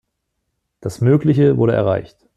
Das Mögliche wurde erreicht.